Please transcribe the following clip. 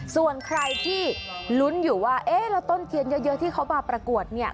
ส่วนใครที่ลุ้นอยู่ว่าเอ๊ะแล้วต้นเทียนเยอะที่เขามาประกวดเนี่ย